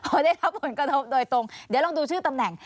พอได้รับผลกระทบโดยตรงเดี๋ยวลองดูชื่อตำแหน่ง